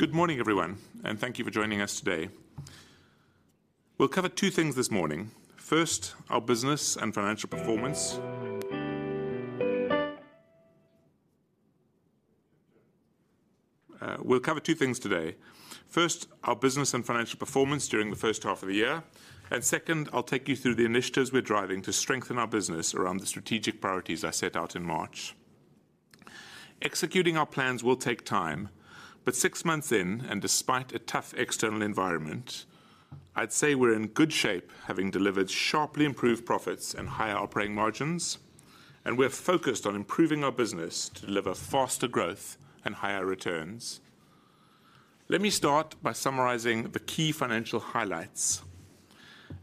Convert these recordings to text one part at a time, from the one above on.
Good morning, everyone. Thank you for joining us today. We'll cover two things this morning. First, our business and financial performance. We'll cover two things today. First, our business and financial performance during the first half of the year, and second, I'll take you through the initiatives we're driving to strengthen our business around the strategic priorities I set out in March. Executing our plans will take time, but 6 months in, and despite a tough external environment, I'd say we're in good shape, having delivered sharply improved profits and higher operating margins, and we're focused on improving our business to deliver faster growth and higher returns. Let me start by summarizing the key financial highlights.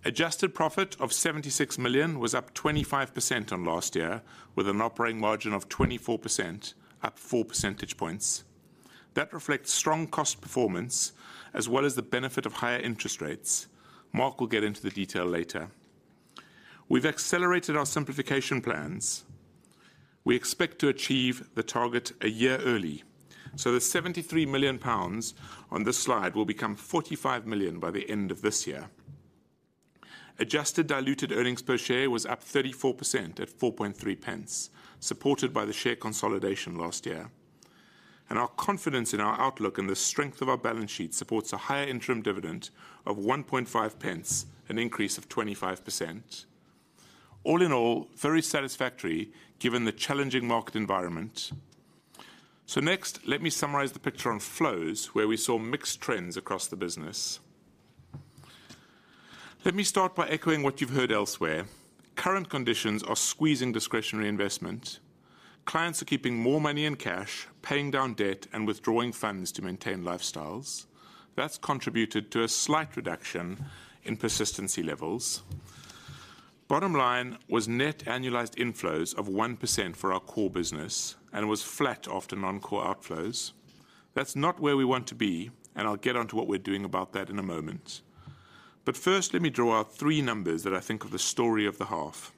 Adjusted profit of 76 million was up 25% on last year, with an operating margin of 24%, up 4 percentage points. That reflects strong cost performance, as well as the benefit of higher interest rates. Mark will get into the detail later. We've accelerated our Simplification plans. We expect to achieve the target a year early, so the 73 million pounds on this slide will become 45 million by the end of this year. Adjusted diluted EPS was up 34% at 4.3 pence, supported by the share consolidation last year. Our confidence in our outlook and the strength of our balance sheet supports a higher interim dividend of 1.5 pence, an increase of 25%. All in all, very satisfactory, given the challenging market environment. Next, let me summarize the picture on flows, where we saw mixed trends across the business. Let me start by echoing what you've heard elsewhere. Current conditions are squeezing discretionary investment. Clients are keeping more money in cash, paying down debt and withdrawing funds to maintain lifestyles. That's contributed to a slight reduction in persistency levels. Bottom line was net annualized inflows of 1% for our core business and was flat after non-core outflows. That's not where we want to be, and I'll get on to what we're doing about that in a moment. First, let me draw out three numbers that I think are the story of the half.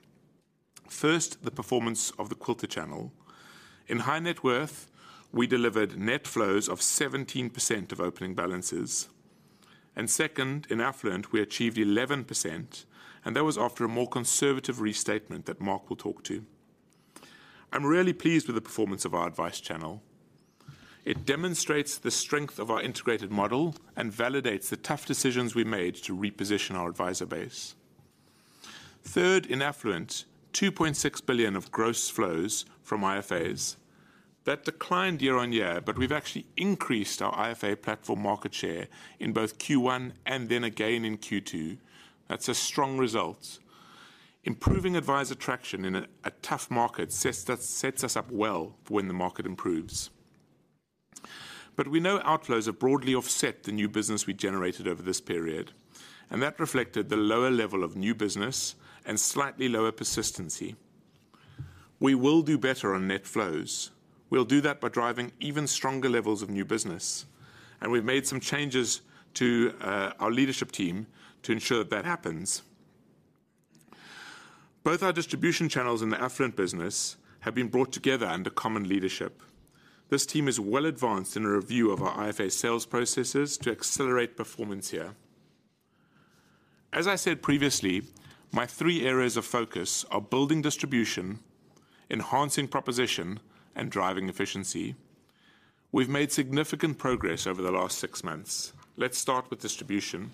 First, the performance of the Quilter channel. In High Net Worth, we delivered net flows of 17% of opening balances, and second, in Affluent, we achieved 11%, and that was after a more conservative restatement that Mark will talk to. I'm really pleased with the performance of our advice channel. It demonstrates the strength of our integrated model and validates the tough decisions we made to reposition our advisor base. Third, in Affluent, 2.6 billion of gross flows from IFAs. That declined year-on-year, we've actually increased our IFA platform market share in both Q1 and then again in Q2. That's a strong result. Improving advisor traction in a tough market sets us, sets us up well for when the market improves. We know outflows have broadly offset the new business we generated over this period, and that reflected the lower level of new business and slightly lower persistency. We will do better on net flows. We'll do that by driving even stronger levels of new business, and we've made some changes to our leadership team to ensure that that happens. Both our distribution channels in the Affluent business have been brought together under common leadership. This team is well advanced in a review of our IFA sales processes to accelerate performance here. As I said previously, my three areas of focus are building distribution, enhancing proposition, and driving efficiency. We've made significant progress over the last six months. Let's start with distribution.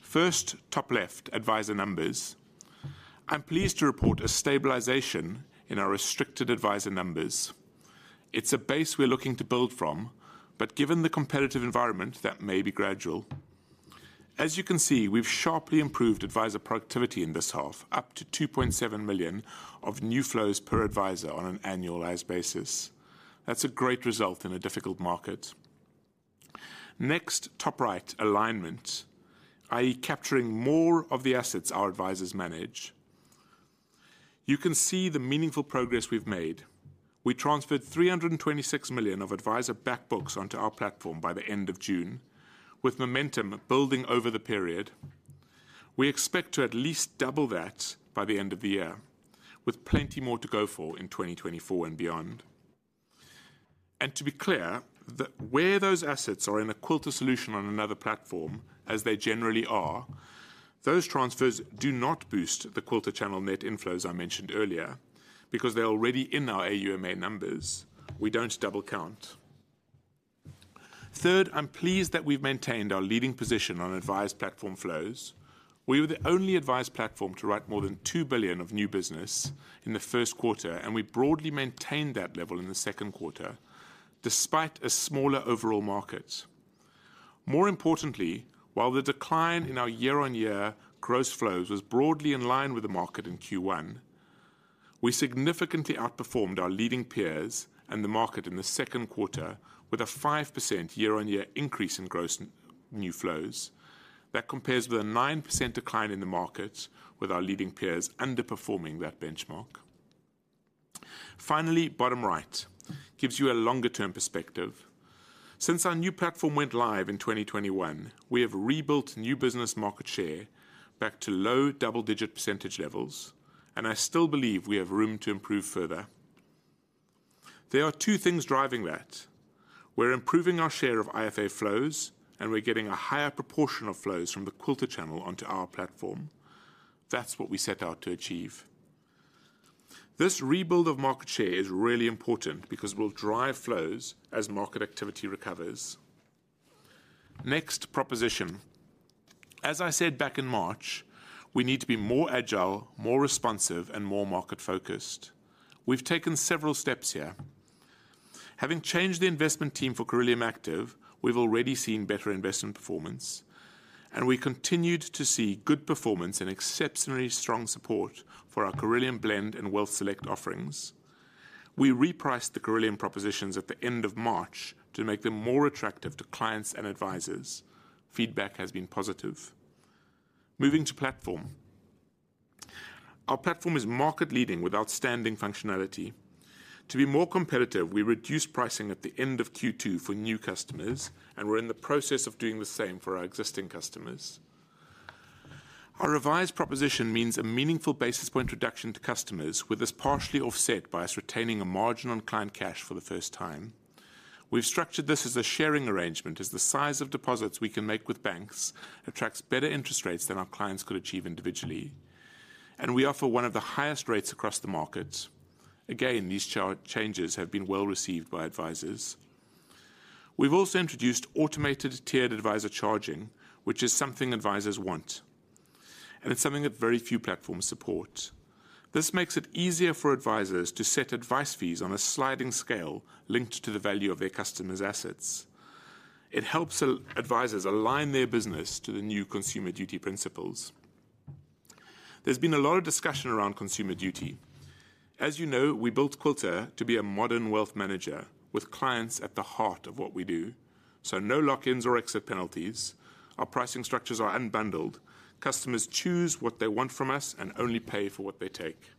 First, top left, advisor numbers. I'm pleased to report a stabilization in our restricted advisor numbers. It's a base we're looking to build from, but given the competitive environment, that may be gradual. As you can see, we've sharply improved advisor productivity in this half, up to 2.7 million of new flows per advisor on an annualized basis. That's a great result in a difficult market. Next, top right, alignment, i.e., capturing more of the assets our advisors manage. You can see the meaningful progress we've made. We transferred 326 million of advisor back books onto our platform by the end of June, with momentum building over the period. We expect to at least double that by the end of the year, with plenty more to go for in 2024 and beyond. To be clear, the where those assets are in a Quilter solution on another platform, as they generally are, those transfers do not boost the Quilter channel net inflows I mentioned earlier, because they are already in our AUMA numbers. We don't double count. Third, I'm pleased that we've maintained our leading position on advised platform flows. We were the only advised platform to write more than 2 billion of new business in the Q1, and we broadly maintained that level in the Q2, despite a smaller overall market. More importantly, while the decline in our year-on-year gross flows was broadly in line with the market in Q1, we significantly outperformed our leading peers and the market in the Q2 with a 5% year-on-year increase in gross new flows. That compares with a 9% decline in the market, with our leading peers underperforming that benchmark. Finally, bottom right gives you a longer-term perspective. Since our new platform went live in 2021, we have rebuilt new business market share back to low double-digit % levels. I still believe we have room to improve further. There are two things driving that. We're improving our share of IFA flows, and we're getting a higher proportion of flows from the Quilter channel onto our platform. That's what we set out to achieve. This rebuild of market share is really important because it will drive flows as market activity recovers. Next, proposition. As I said back in March, we need to be more agile, more responsive, and more market-focused. We've taken several steps here. Having changed the investment team for Cirilium Active, we've already seen better investment performance, and we continued to see good performance and exceptionally strong support for our Cirilium Blend and WealthSelect offerings. We repriced the Cirilium propositions at the end of March to make them more attractive to clients and advisors. Feedback has been positive. Moving to platform. Our platform is market-leading with outstanding functionality. To be more competitive, we reduced pricing at the end of Q2 for new customers, and we're in the process of doing the same for our existing customers. Our revised proposition means a meaningful basis point reduction to customers, with this partially offset by us retaining a margin on client cash for the first time. We've structured this as a sharing arrangement, as the size of deposits we can make with banks attracts better interest rates than our clients could achieve individually, and we offer one of the highest rates across the market. Again, these changes have been well received by advisors. We've also introduced automated tiered advisor charging, which is something advisors want, and it's something that very few platforms support. This makes it easier for advisors to set advice fees on a sliding scale linked to the value of their customers' assets. It helps advisors align their business to the new Consumer Duty principles. There's been a lot of discussion around Consumer Duty. As you know, we built Quilter to be a modern wealth manager with clients at the heart of what we do, so no lock-ins or exit penalties. Our pricing structures are unbundled. Customers choose what they want from us and only pay for what they take.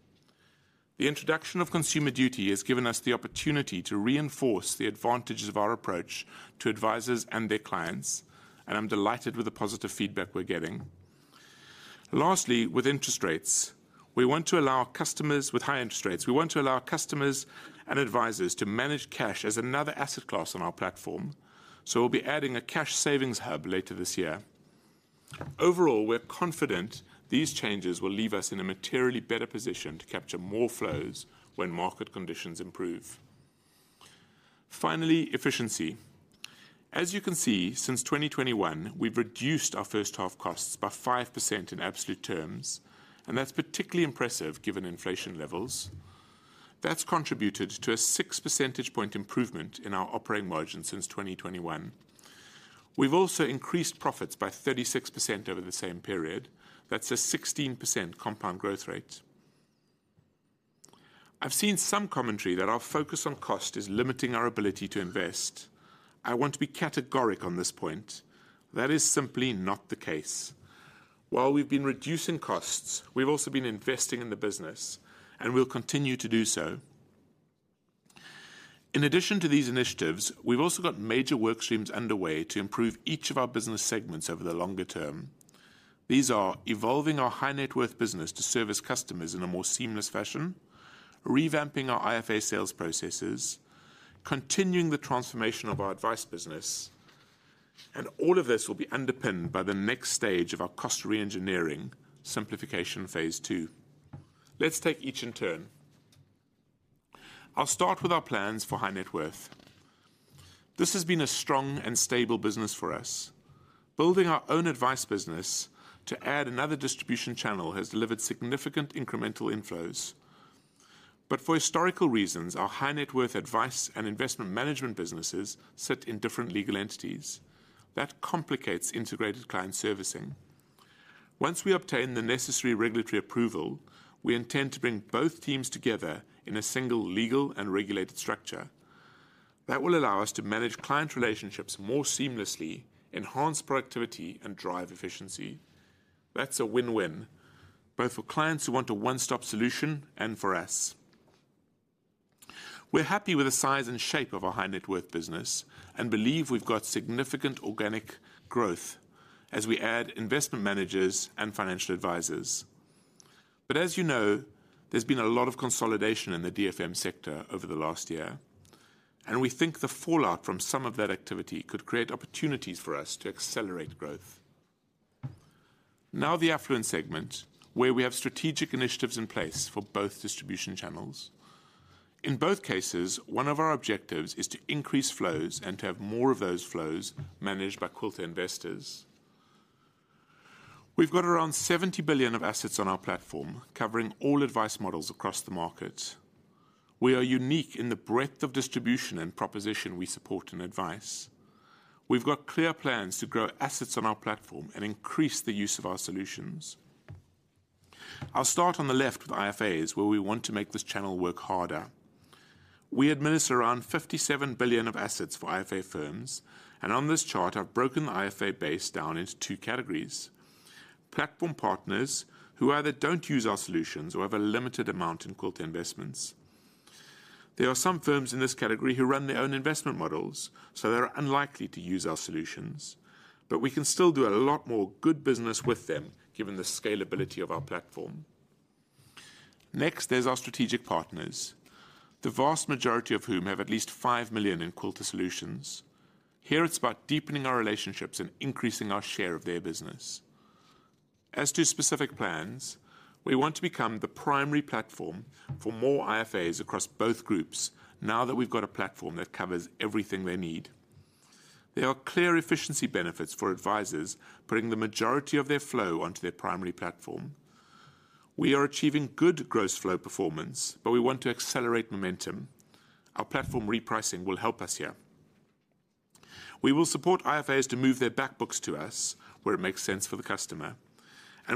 The introduction of Consumer Duty has given us the opportunity to reinforce the advantages of our approach to advisors and their clients, and I'm delighted with the positive feedback we're getting. Lastly, with interest rates, we want to allow our customers with high interest rates, we want to allow our customers and advisors to manage cash as another asset class on our platform, so we'll be adding a cash savings hub later this year. Overall, we're confident these changes will leave us in a materially better position to capture more flows when market conditions improve. Finally, efficiency. As you can see, since 2021, we've reduced our first half costs by 5% in absolute terms. That's particularly impressive given inflation levels. That's contributed to a 6 percentage point improvement in our operating margin since 2021. We've also increased profits by 36% over the same period. That's a 16% compound growth rate. I've seen some commentary that our focus on cost is limiting our ability to invest. I want to be categoric on this point. That is simply not the case. While we've been reducing costs, we've also been investing in the business. We'll continue to do so. In addition to these initiatives, we've also got major work streams underway to improve each of our business segments over the longer term. These are evolving our High Net Worth business to service customers in a more seamless fashion, revamping our IFA sales processes, continuing the transformation of our advice business, and all of this will be underpinned by the next stage of our cost reengineering, Simplification Phase Two. Let's take each in turn. I'll start with our plans for High Net Worth. This has been a strong and stable business for us. Building our own advice business to add another distribution channel has delivered significant incremental inflows. For historical reasons, our High Net Worth advice and investment management businesses sit in different legal entities. That complicates integrated client servicing. Once we obtain the necessary regulatory approval, we intend to bring both teams together in a single legal and regulated structure. That will allow us to manage client relationships more seamlessly, enhance productivity, and drive efficiency. That's a win-win, both for clients who want a one-stop solution and for us. We're happy with the size and shape of our High Net Worth business and believe we've got significant organic growth as we add investment managers and financial advisors. As you know, there's been a lot of consolidation in the DFM sector over the last year, and we think the fallout from some of that activity could create opportunities for us to accelerate growth. The Affluent segment, where we have strategic initiatives in place for both distribution channels. In both cases, one of our objectives is to increase flows and to have more of those flows managed by Quilter Investors. We've got around 70 billion of assets on our platform, covering all advice models across the market. We are unique in the breadth of distribution and proposition we support and advise. We've got clear plans to grow assets on our platform and increase the use of our solutions. I'll start on the left with IFAs, where we want to make this channel work harder. We administer around 57 billion of assets for IFA firms. On this chart, I've broken the IFA base down into two categories: platform partners who either don't use our solutions or have a limited amount in Quilter Investors. There are some firms in this category who run their own investment models, they are unlikely to use our solutions. We can still do a lot more good business with them, given the scalability of our platform. Next, there's our strategic partners, the vast majority of whom have at least 5 million in Quilter solutions. Here, it's about deepening our relationships and increasing our share of their business. As to specific plans, we want to become the primary platform for more IFAs across both groups now that we've got a platform that covers everything they need. There are clear efficiency benefits for advisors putting the majority of their flow onto their primary platform. We are achieving good gross flow performance, we want to accelerate momentum. Our platform repricing will help us here. We will support IFAs to move their back books to us, where it makes sense for the customer,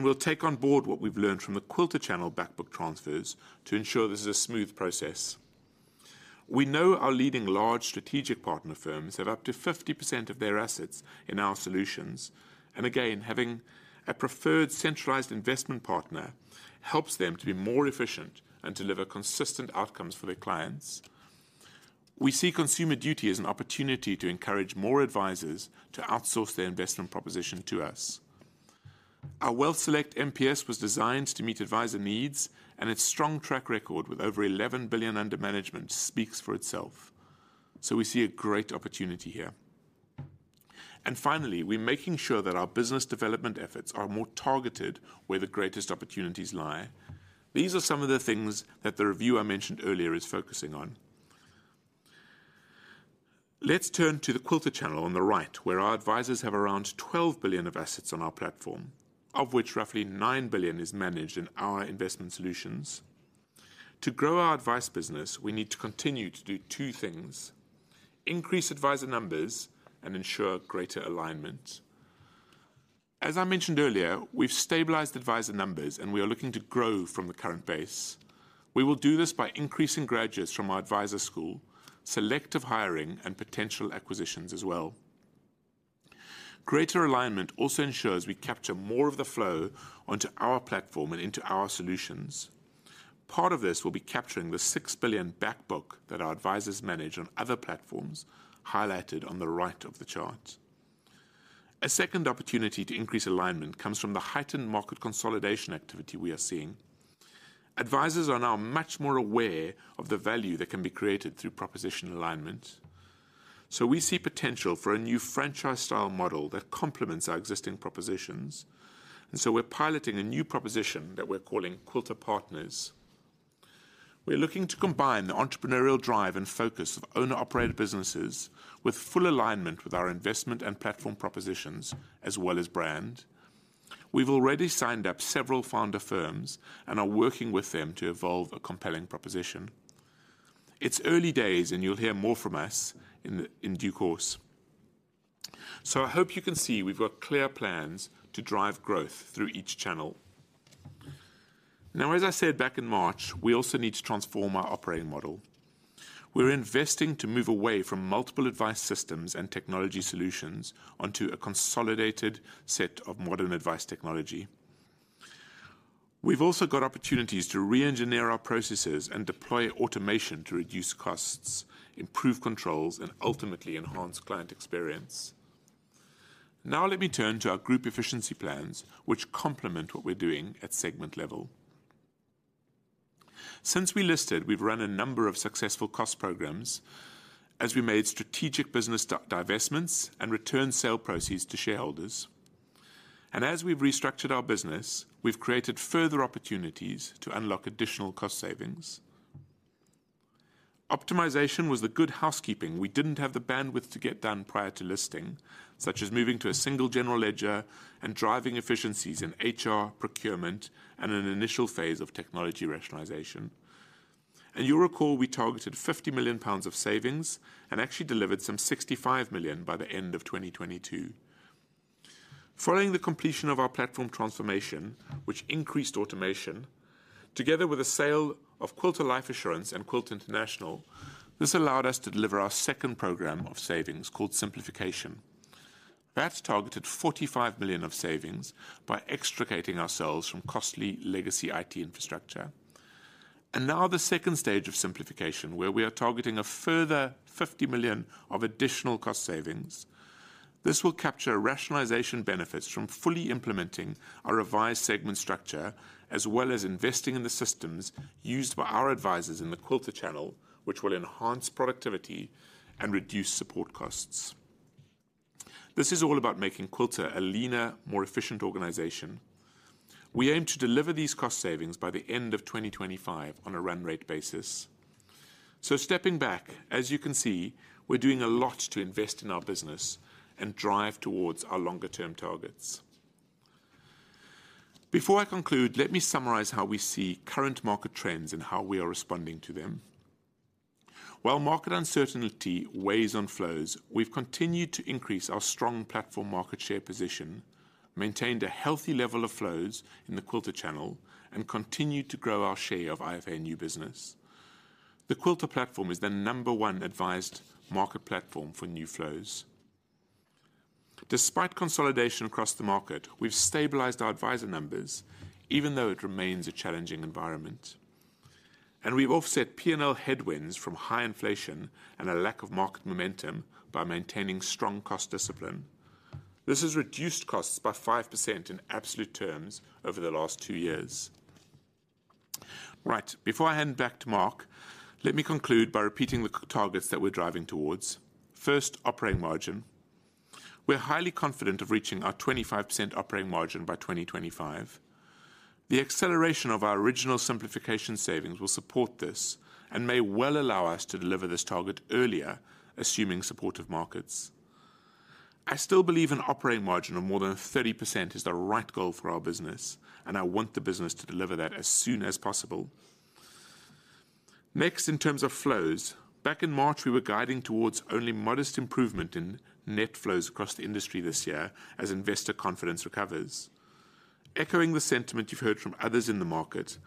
we'll take on board what we've learned from the Quilter channel back book transfers to ensure this is a smooth process. We know our leading large strategic partner firms have up to 50% of their assets in our solutions, again, having a preferred centralized investment partner helps them to be more efficient and deliver consistent outcomes for their clients. We see Consumer Duty as an opportunity to encourage more advisers to outsource their investment proposition to us. Our WealthSelect MPS was designed to meet adviser needs, and its strong track record with over 11 billion under management speaks for itself. We see a great opportunity here. Finally, we're making sure that our business development efforts are more targeted where the greatest opportunities lie. These are some of the things that the review I mentioned earlier is focusing on. Let's turn to the Quilter channel on the right, where our advisers have around 12 billion of assets on our platform, of which roughly 9 billion is managed in our investment solutions. To grow our advice business, we need to continue to do two things: increase adviser numbers and ensure greater alignment. As I mentioned earlier, we've stabilized adviser numbers, and we are looking to grow from the current base. We will do this by increasing graduates from our Adviser School, selective hiring, and potential acquisitions as well. Greater alignment also ensures we capture more of the flow onto our platform and into our solutions. Part of this will be capturing the 6 billion back book that our advisers manage on other platforms, highlighted on the right of the chart. A second opportunity to increase alignment comes from the heightened market consolidation activity we are seeing. Advisers are now much more aware of the value that can be created through proposition alignment. We see potential for a new franchise-style model that complements our existing propositions. We're piloting a new proposition that we're calling Quilter Partners. We're looking to combine the entrepreneurial drive and focus of owner-operated businesses with full alignment with our investment and platform propositions, as well as brand. We've already signed up several founder firms and are working with them to evolve a compelling proposition. It's early days, and you'll hear more from us in due course. I hope you can see we've got clear plans to drive growth through each channel. As I said back in March, we also need to transform our operating model. We're investing to move away from multiple advice systems and technology solutions onto a consolidated set of modern advice technology. We've also got opportunities to re-engineer our processes and deploy automation to reduce costs, improve controls, and ultimately enhance client experience. Let me turn to our group efficiency plans, which complement what we're doing at segment level. Since we listed, we've run a number of successful cost programs as we made strategic business divestments and returned sale proceeds to shareholders. As we've restructured our business, we've created further opportunities to unlock additional cost savings. Optimization was the good housekeeping we didn't have the bandwidth to get done prior to listing, such as moving to a single general ledger and driving efficiencies in HR, procurement, and an initial phase of technology rationalization. You'll recall, we targeted 50 million pounds of savings and actually delivered some 65 million by the end of 2022. Following the completion of our platform transformation, which increased automation, together with the sale of Quilter Life Assurance and Quilter International, this allowed us to deliver our second program of savings, called Simplification. That targeted 45 million of savings by extricating ourselves from costly legacy IT infrastructure. Now the second stage of Simplification, where we are targeting a further 50 million of additional cost savings. This will capture rationalization benefits from fully implementing our revised segment structure, as well as investing in the systems used by our advisors in the Quilter Channel, which will enhance productivity and reduce support costs. This is all about making Quilter a leaner, more efficient organization. We aim to deliver these cost savings by the end of 2025 on a run rate basis. Stepping back, as you can see, we're doing a lot to invest in our business and drive towards our longer-term targets. Before I conclude, let me summarize how we see current market trends and how we are responding to them. While market uncertainty weighs on flows, we've continued to increase our strong platform market share position, maintained a healthy level of flows in the Quilter channel, and continued to grow our share of IFA new business. The Quilter platform is the number one advised market platform for new flows. Despite consolidation across the market, we've stabilized our advisor numbers, even though it remains a challenging environment. We've offset P&L headwinds from high inflation and a lack of market momentum by maintaining strong cost discipline. This has reduced costs by 5% in absolute terms over the last 2 years. Right, before I hand back to Mark, let me conclude by repeating the targets that we're driving towards. First, operating margin. We're highly confident of reaching our 25% operating margin by 2025. The acceleration of our original Simplification savings will support this and may well allow us to deliver this target earlier, assuming supportive markets. I still believe an operating margin of more than 30% is the right goal for our business, and I want the business to deliver that as soon as possible. Next, in terms of flows, back in March, we were guiding towards only modest improvement in net flows across the industry this year as investor confidence recovers. Echoing the sentiment you've heard from others in the market,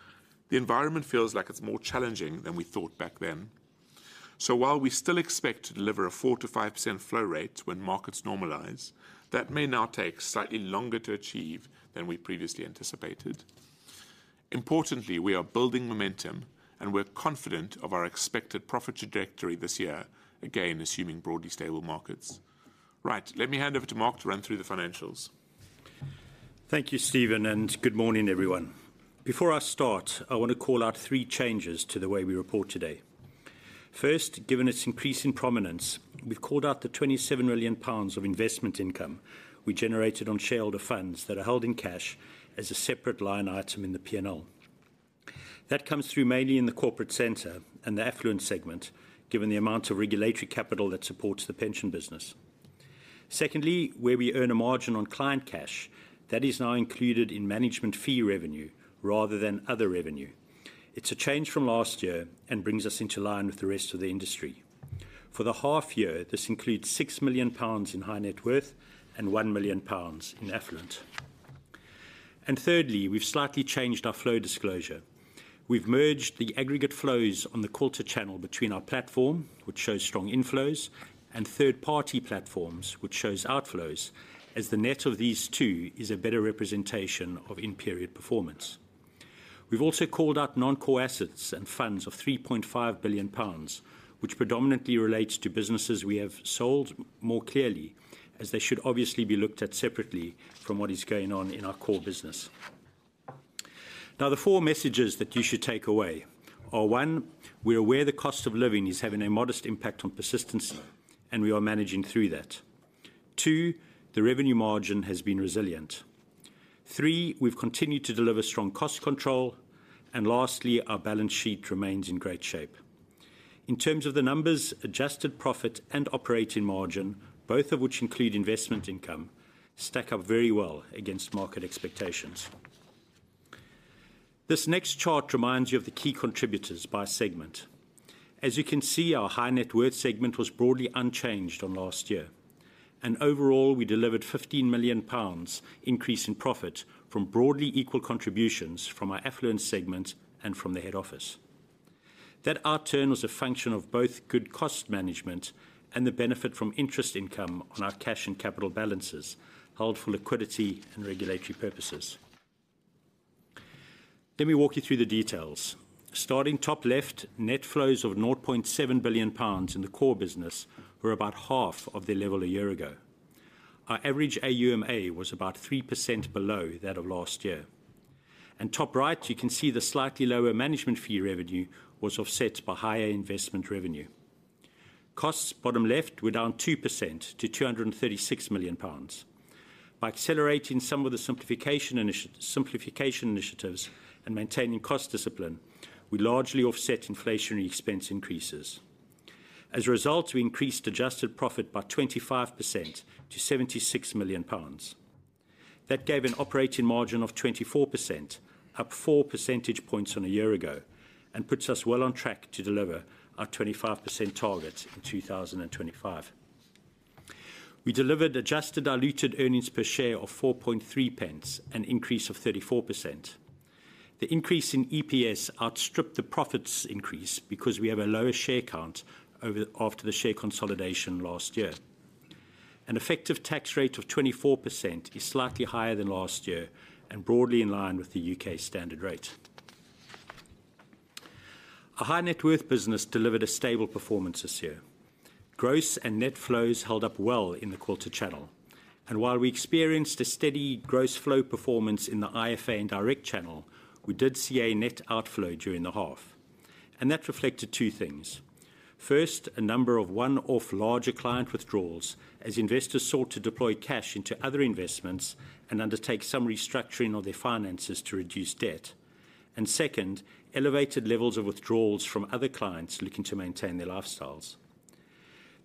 the environment feels like it's more challenging than we thought back then. While we still expect to deliver a 4%-5% flow rate when markets normalize, that may now take slightly longer to achieve than we previously anticipated. Importantly, we are building momentum, and we're confident of our expected profit trajectory this year, again, assuming broadly stable markets. Right, let me hand over to Mark to run through the financials. Thank you, Steven. Good morning, everyone. Before I start, I want to call out three changes to the way we report today. First, given its increase in prominence, we've called out the 27 million pounds of investment income we generated on shareholder funds that are held in cash as a separate line item in the P&L. That comes through mainly in the corporate center and the Affluent segment, given the amount of regulatory capital that supports the pension business. Secondly, where we earn a margin on client cash, that is now included in management fee revenue rather than other revenue. It's a change from last year and brings us into line with the rest of the industry. For the half year, this includes 6 million pounds in High Net Worth and 1 million pounds in Affluent. Thirdly, we've slightly changed our flow disclosure. We've merged the aggregate flows on the Quilter channel between our Platform, which shows strong inflows, and third-party platforms, which shows outflows, as the net of these two is a better representation of in-period performance. We've also called out non-core assets and funds of 3.5 billion pounds, which predominantly relates to businesses we have sold more clearly, as they should obviously be looked at separately from what is going on in our core business. The four messages that you should take away are, one, we're aware the cost of living is having a modest impact on persistence, and we are managing through that. Two, the revenue margin has been resilient. Three, we've continued to deliver strong cost control. Lastly, our balance sheet remains in great shape. In terms of the numbers, adjusted profit and operating margin, both of which include investment income, stack up very well against market expectations. This next chart reminds you of the key contributors by segment. As you can see, our High Net Worth segment was broadly unchanged on last year, and overall, we delivered 15 million pounds increase in profit from broadly equal contributions from our Affluent segment and from the head office. That outturn was a function of both good cost management and the benefit from interest income on our cash and capital balances, held for liquidity and regulatory purposes. Let me walk you through the details. Starting top left, net flows of 0.7 billion pounds in the core business were about half of their level a year ago. Our average AUMA was about 3% below that of last year. Top right, you can see the slightly lower management fee revenue was offset by higher investment revenue. Costs, bottom left, were down 2% to 236 million pounds. By accelerating some of the Simplification initiatives and maintaining cost discipline, we largely offset inflationary expense increases. As a result, we increased adjusted profit by 25% to 76 million pounds. That gave an operating margin of 24%, up 4 percentage points on a year ago, and puts us well on track to deliver our 25% target in 2025. We delivered adjusted diluted earnings per share of 0.043, an increase of 34%. The increase in EPS outstripped the profits increase because we have a lower share count after the share consolidation last year. An effective tax rate of 24% is slightly higher than last year and broadly in line with the UK standard rate. Our High Net Worth business delivered a stable performance this year. Gross and net flows held up well in the Quilter channel, and while we experienced a steady gross flow performance in the IFA and direct channel, we did see a net outflow during the half. That reflected two things. First, a number of one-off larger client withdrawals as investors sought to deploy cash into other investments and undertake some restructuring of their finances to reduce debt. Second, elevated levels of withdrawals from other clients looking to maintain their lifestyles.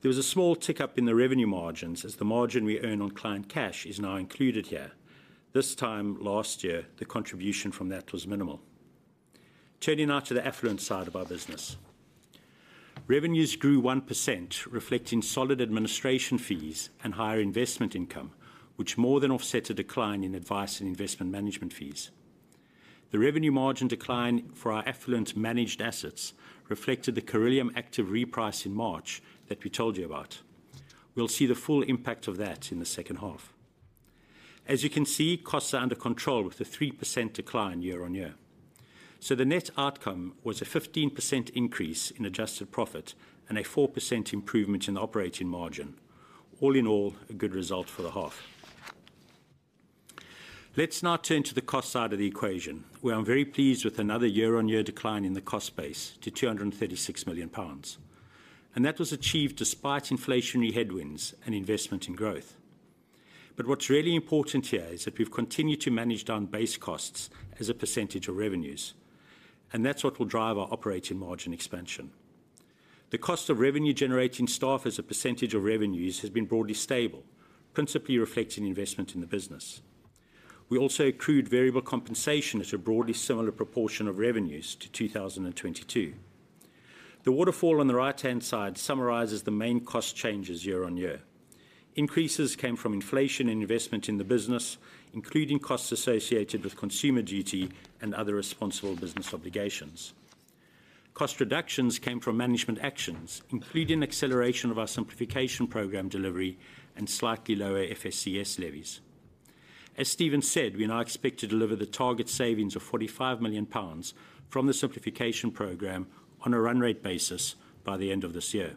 There was a small tick-up in the revenue margins, as the margin we earn on client cash is now included here. This time last year, the contribution from that was minimal. Turning now to the Affluent side of our business. Revenues grew 1%, reflecting solid administration fees and higher investment income, which more than offset a decline in advice and investment management fees. The revenue margin decline for our Affluent managed assets reflected the Cirilium Active reprice in March that we told you about. We'll see the full impact of that in the second half. As you can see, costs are under control, with a 3% decline year-on-year. The net outcome was a 15% increase in adjusted profit and a 4% improvement in the operating margin. All in all, a good result for the half. Let's now turn to the cost side of the equation, where I'm very pleased with another year-on-year decline in the cost base to 236 million pounds. That was achieved despite inflationary headwinds and investment in growth. What's really important here is that we've continued to manage down base costs as a % of revenues, and that's what will drive our operating margin expansion. The cost of revenue-generating staff as a % of revenues has been broadly stable, principally reflecting investment in the business. We also accrued variable compensation at a broadly similar proportion of revenues to 2022. The waterfall on the right-hand side summarizes the main cost changes year-over-year. Increases came from inflation and investment in the business, including costs associated with Consumer Duty and other responsible business obligations. Cost reductions came from management actions, including acceleration of our Simplification program delivery and slightly lower FSCS levies. As Steven said, we now expect to deliver the target savings of 45 million pounds from the Simplification program on a run rate basis by the end of this year.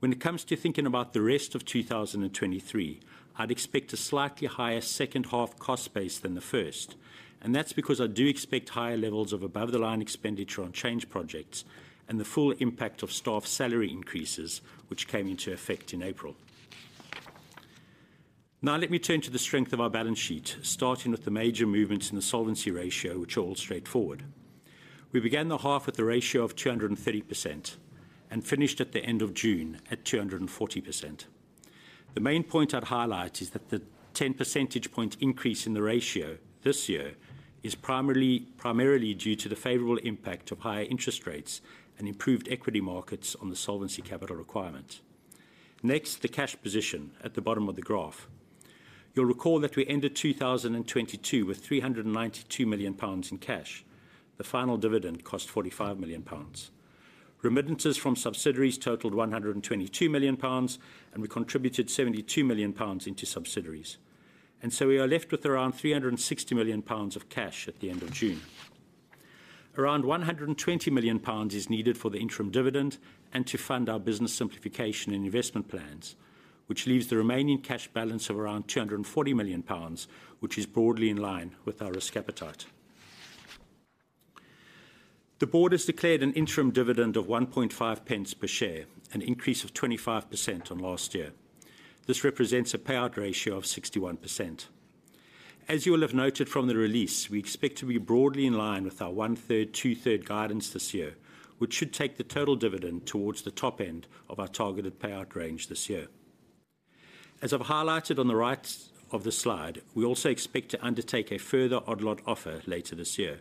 When it comes to thinking about the rest of 2023, I'd expect a slightly higher second half cost base than the first, and that's because I do expect higher levels of above-the-line expenditure on change projects and the full impact of staff salary increases, which came into effect in April. Now, let me turn to the strength of our balance sheet, starting with the major movements in the solvency ratio, which are all straightforward. We began the half with a ratio of 230% and finished at the end of June at 240%. The main point I'd highlight is that the 10 percentage point increase in the ratio this year is primarily, primarily due to the favorable impact of higher interest rates and improved equity markets on the Solvency Capital Requirement. Next, the cash position at the bottom of the graph. You'll recall that we ended 2022 with 392 million pounds in cash. The final dividend cost 45 million pounds. Remittances from subsidiaries totaled 122 million pounds. We contributed 72 million pounds into subsidiaries. We are left with around 360 million pounds of cash at the end of June. Around 120 million pounds is needed for the interim dividend and to fund our business Simplification and investment plans, which leaves the remaining cash balance of around 240 million pounds, which is broadly in line with our risk appetite. The board has declared an interim dividend of 0.015 per share, an increase of 25% on last year. This represents a payout ratio of 61%. As you will have noted from the release, we expect to be broadly in line with our one-third, two-third guidance this year, which should take the total dividend towards the top end of our targeted payout range this year. As I've highlighted on the right of the slide, we also expect to undertake a further Odd-lot Offer later this year.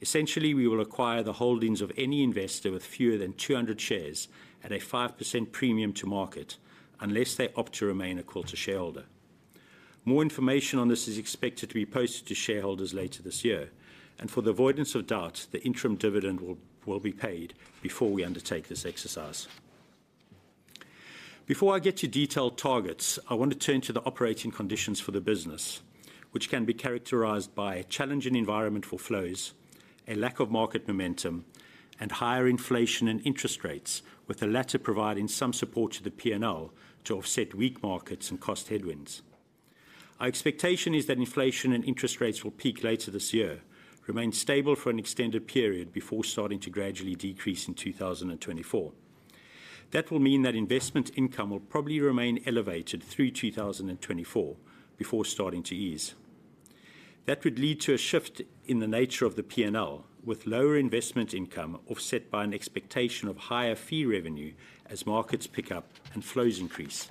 Essentially, we will acquire the holdings of any investor with fewer than 200 shares at a 5% premium to market, unless they opt to remain a Quilter shareholder. More information on this is expected to be posted to shareholders later this year, and for the avoidance of doubt, the interim dividend will, will be paid before we undertake this exercise. Before I get to detailed targets, I want to turn to the operating conditions for the business, which can be characterized by a challenging environment for flows, a lack of market momentum, and higher inflation and interest rates, with the latter providing some support to the P&L to offset weak markets and cost headwinds. Our expectation is that inflation and interest rates will peak later this year, remain stable for an extended period before starting to gradually decrease in 2024. That will mean that investment income will probably remain elevated through 2024, before starting to ease. That would lead to a shift in the nature of the P&L, with lower investment income offset by an expectation of higher fee revenue as markets pick up and flows increase.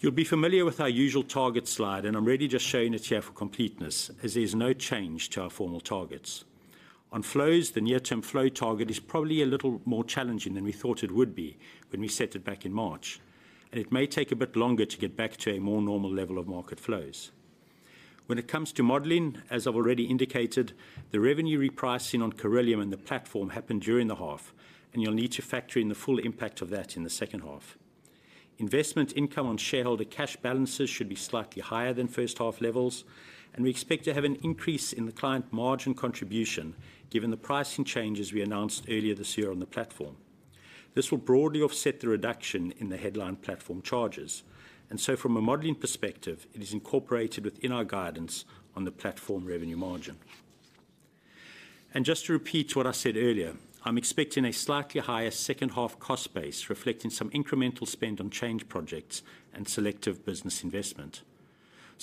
You'll be familiar with our usual target slide, and I'm really just showing it here for completeness, as there is no change to our formal targets. On flows, the near-term flow target is probably a little more challenging than we thought it would be when we set it back in March, and it may take a bit longer to get back to a more normal level of market flows. When it comes to modeling, as I've already indicated, the revenue repricing on Cirilium and the platform happened during the half, and you'll need to factor in the full impact of that in the second half. Investment income on shareholder cash balances should be slightly higher than first half levels, and we expect to have an increase in the client margin contribution, given the pricing changes we announced earlier this year on the platform. This will broadly offset the reduction in the headline platform charges. From a modeling perspective, it is incorporated within our guidance on the platform revenue margin. Just to repeat what I said earlier, I'm expecting a slightly higher second half cost base, reflecting some incremental spend on change projects and selective business investment.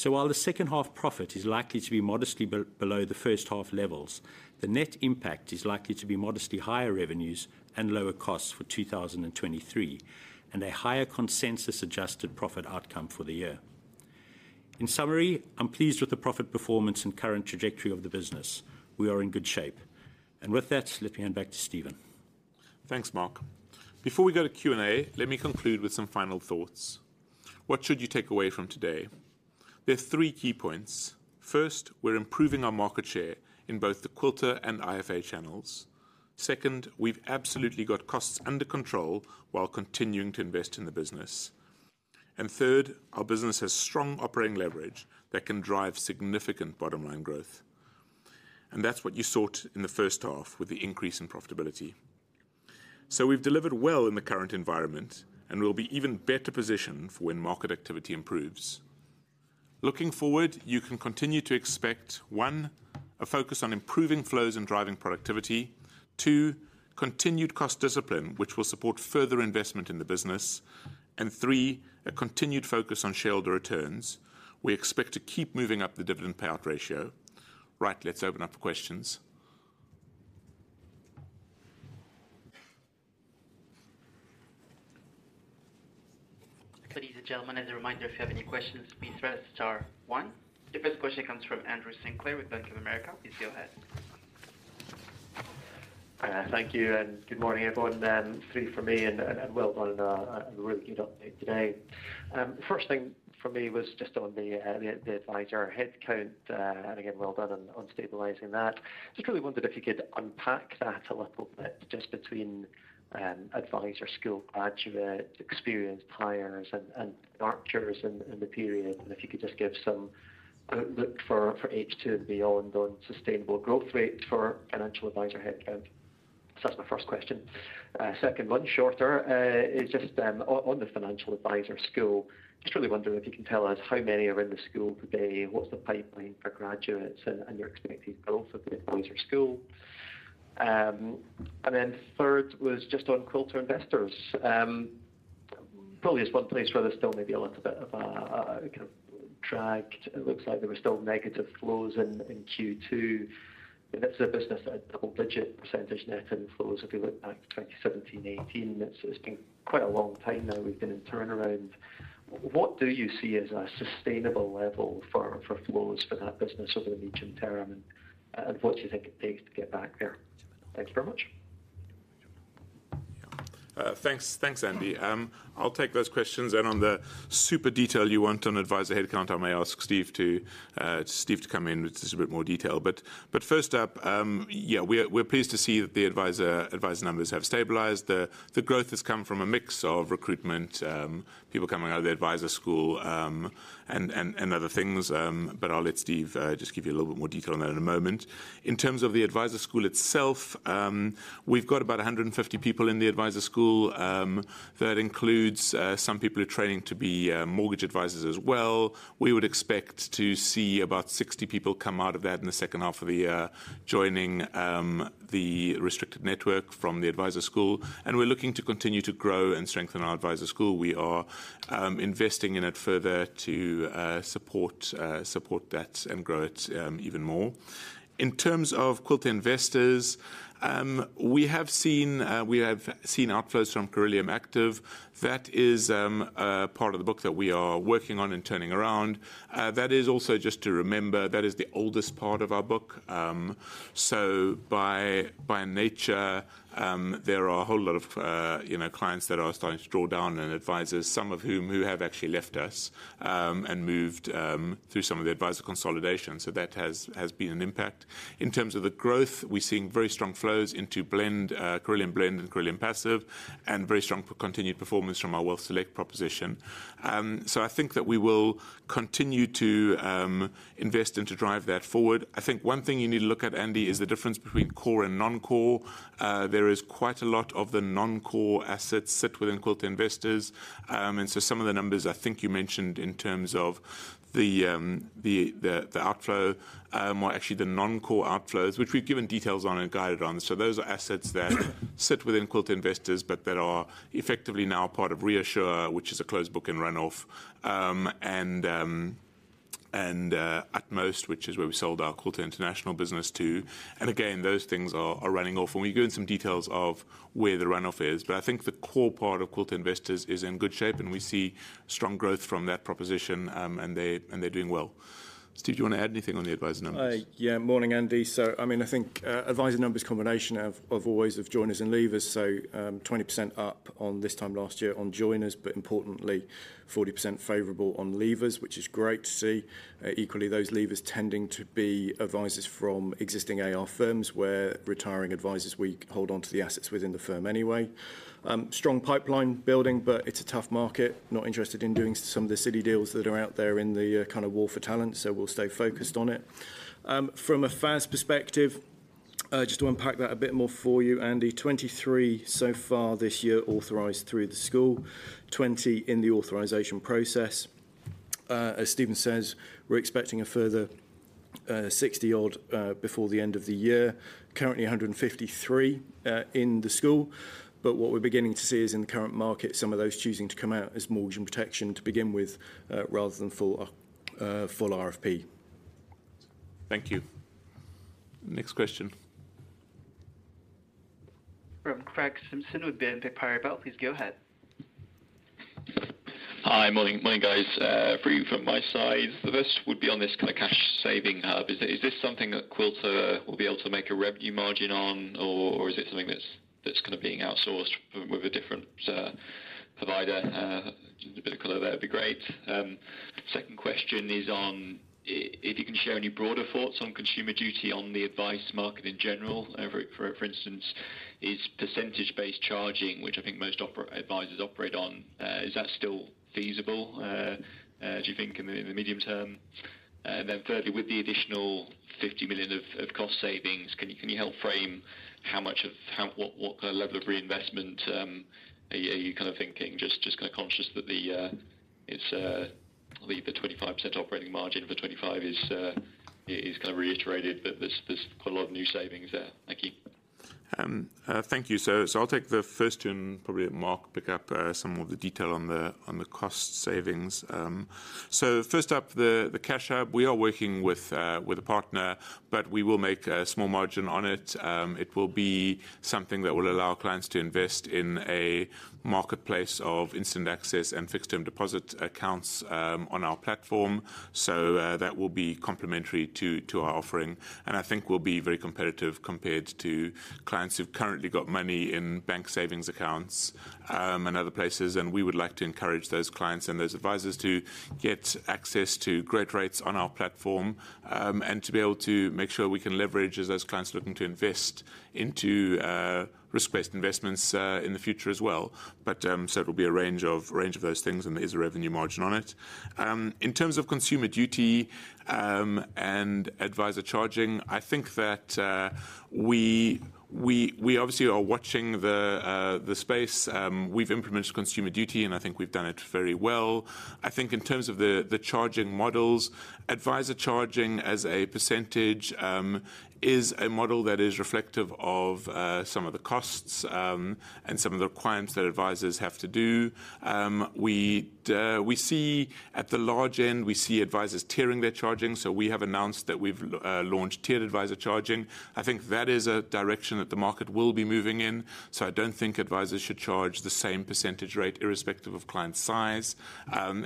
While the second half profit is likely to be modestly below the first half levels, the net impact is likely to be modestly higher revenues and lower costs for 2023, and a higher consensus adjusted profit outcome for the year. In summary, I'm pleased with the profit performance and current trajectory of the business. We are in good shape. With that, let me hand back to Steven. Thanks, Mark. Before we go to Q&A, let me conclude with some final thoughts. What should you take away from today? There are 3 key points. First, we're improving our market share in both the Quilter and IFA channels. Second, we've absolutely got costs under control while continuing to invest in the business. Third, our business has strong operating leverage that can drive significant bottom line growth. That's what you sought in the first half with the increase in profitability. We've delivered well in the current environment, and we'll be even better positioned for when market activity improves. Looking forward, you can continue to expect, 1, a focus on improving flows and driving productivity. 2, continued cost discipline, which will support further investment in the business. 3, a continued focus on shareholder returns. We expect to keep moving up the dividend payout ratio. Right, let's open up for questions. Ladies and gentlemen, as a reminder, if you have any questions, please press star one. The first question comes from Andrew Sinclair with Bank of America. Please go ahead. Thank you, good morning, everyone. Three from me, well done on a really good update today. The first thing for me was just on the advisor headcount, again, well done on stabilizing that. Just really wondered if you could unpack that a little bit, just between advisor school graduates, experienced hires, and departures in the period, and if you could just give some outlook for H2 and beyond on sustainable growth rates for financial advisor headcount. That's my first question. Second one, shorter, is just on the financial advisor school. Just really wondering if you can tell us how many are in the school today, what's the pipeline for graduates and your expected growth of the advisor school? Then third was just on Quilter Investors. Probably is one place where there's still maybe a little bit of a kind of dragged. It looks like there were still negative flows in Q2, and that's a business at double-digit % net inflows. If you look back to 2017, 2018, it's been quite a long time now we've been in turnaround. What do you see as a sustainable level for flows for that business over the medium term, and what do you think it takes to get back there? Thank you very much. Thanks, thanks, Andy. I'll take those questions. On the super detail you want on advisor headcount, I may ask Steve to Steve to come in with just a bit more detail. First up, yeah, we're pleased to see that the advisor, advisor numbers have stabilized. The growth has come from a mix of recruitment, people coming out of the advisor school, and, and, and other things. I'll let Steve just give you a little bit more detail on that in a moment. In terms of the advisor school itself, we've got about 150 people in the advisor school. That includes some people who are training to be mortgage advisors as well. We would expect to see about 60 people come out of that in the second half of the year, joining the restricted network from the adviser school. We're looking to continue to grow and strengthen our adviser school. We are investing in it further to support that and grow it even more. In terms of Quilter Investors, we have seen outflows from Cirilium Active. That is a part of the book that we are working on and turning around. That is also just to remember, that is the oldest part of our book. By nature, there are a whole lot of, you know, clients that are starting to draw down and advisers, some of whom, who have actually left us and moved through some of the adviser consolidation. That has, has been an impact. In terms of the growth, we're seeing very strong flows into Blend, Cirilium Blend and Cirilium Passive, and very strong continued performance from our WealthSelect proposition. I think that we will continue to invest and to drive that forward. I think one thing you need to look at, Andy, is the difference between core and non-core. There is quite a lot of the non-core assets sit within Quilter Investors. And so some of the numbers I think you mentioned in terms of the the the outflow, or actually the non-core outflows, which we've given details on and guided on. Those are assets that sit within Quilter Investors, but that are effectively now part of ReAssure, which is a closed book in run off, and Utmost, which is where we sold our Quilter International business to. Again, those things are, are running off. We give some details of where the run off is. I think the core part of Quilter Investors is in good shape, and we see strong growth from that proposition, and they, and they're doing well. Steve, do you want to add anything on the adviser numbers? Yeah. Morning, Andy. I mean, I think advisor numbers are a combination of always of joiners and leavers. 20% up on this time last year on joiners, but importantly, 40% favorable on leavers, which is great to see. Equally, those leavers tending to be advisors from existing AR firms, where retiring advisors, we hold on to the assets within the firm anyway. Strong pipeline building, but it's a tough market. Not interested in doing some of the silly deals that are out there in the kind of war for talent, so we'll stay focused on it. From a FAsT perspective, just to unpack that a bit more for you, Andy, 23 so far this year, authorized through the school, 20 in the authorization process. As Steven says, we're expecting a further 60 odd before the end of the year. Currently, 153 in the school. What we're beginning to see is in the current market, some of those choosing to come out as mortgage and protection to begin with, rather than full, full RFP. Thank you. Next question. From Craig Simpson with Piper Sandler. Please go ahead. Hi, morning, morning, guys. For you from my side, the first would be on this kind of cash saving hub. Is, is this something that Quilter will be able to make a revenue margin on, or, or is it something that's, that's kind of being outsourced with a different provider? A bit of color there would be great. Second question is on if you can share any broader thoughts on Consumer Duty, on the advice market in general. For, for instance, is percentage-based charging, which I think most advisors operate on, is that still feasible, do you think in the, in the medium term? Then thirdly, with the additional 50 million of, of cost savings, can you, can you help frame how much of... What, what kind of level of reinvestment are you, are you kind of thinking? Just, just kind of conscious that the it's, I believe the 25% operating margin for 2025 is kind of reiterated, but there's, there's quite a lot of new savings there. Thank you. Thank you, sir. I'll take the first two, and probably Mark pick up some of the detail on the cost savings. First up, the cash hub. We are working with a partner, but we will make a small margin on it. It will be something that will allow clients to invest in a marketplace of instant access and fixed term deposit accounts on our platform. That will be complementary to our offering, and I think we'll be very competitive compared to clients who've currently got money in bank savings accounts and other places. We would like to encourage those clients and those advisors to get access to great rates on our platform. To be able to make sure we can leverage as those clients looking to invest into risk-based investments in the future as well. It'll be a range of, range of those things, and there is a revenue margin on it. In terms of Consumer Duty, and advisor charging, I think that we, we, we obviously are watching the space. We've implemented Consumer Duty, and I think we've done it very well. I think in terms of the, the charging models, advisor charging as a %, is a model that is reflective of some of the costs, and some of the requirements that advisors have to do. We, we see at the large end, we see advisors tiering their charging, so we have announced that we've launched tiered advisor charging. I think that is a direction that the market will be moving in, so I don't think advisors should charge the same percentage rate, irrespective of client size.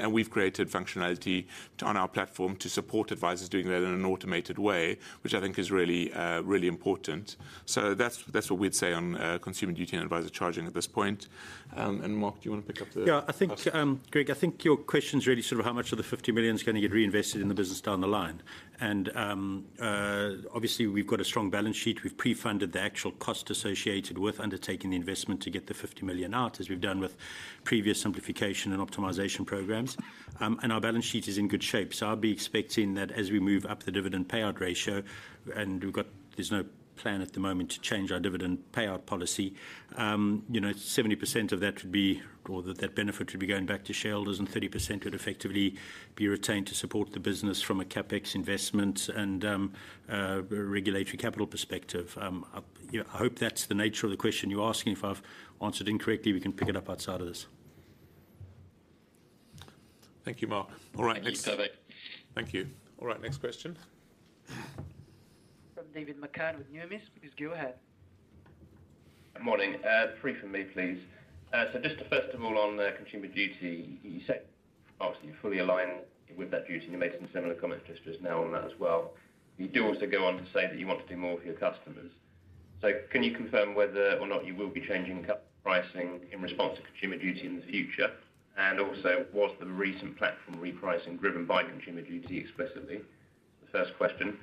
We've created functionality on our platform to support advisors doing that in an automated way, which I think is really, really important. That's, that's what we'd say on Consumer Duty and advisor charging at this point. Mark, do you want to pick up the. Yeah, I think, Craig, I think your question is really sort of how much of the 50 million is going to get reinvested in the business down the line. Obviously, we've got a strong balance sheet. We've pre-funded the actual cost associated with undertaking the investment to get the 50 million out, as we've done with previous Simplification and Optimisation programs. Our balance sheet is in good shape, so I'll be expecting that as we move up the dividend payout ratio, and there's no plan at the moment to change our dividend payout policy. You know, 70% of that would be, or that benefit would be going back to shareholders, and 30% would effectively be retained to support the business from a CapEx investment and regulatory capital perspective. You know, I hope that's the nature of the question you're asking. If I've answered incorrectly, we can pick it up outside of this. Thank you, Mark. All right, next. Thank you, David. Thank you. All right, next question? From David McCann with Numis, please go ahead. Morning. 3 from me, please. Just first of all, on the Consumer Duty, you said, obviously, you're fully aligned with that duty, and you made some similar comments just, just now on that as well. You do also go on to say that you want to do more for your customers. Can you confirm whether or not you will be changing pricing in response to Consumer Duty in the future? Also, was the recent platform repricing driven by Consumer Duty explicitly? The first question.